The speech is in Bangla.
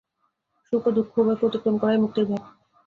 সুখ ও দুঃখ উভয়কে অতিক্রম করাই মুক্তির ভাব।